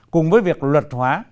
cùng với việc luật hóa